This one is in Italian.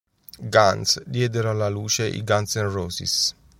Guns, diedero alla luce i Guns N' Roses.